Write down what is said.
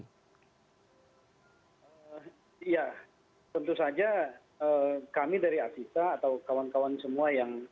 ya tentu saja kami dari asita atau kawan kawan semua yang